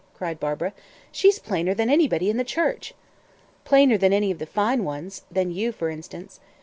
cried Barbara. "She's plainer than anybody in the church!" "Plainer than any of the fine ones than you, for instance.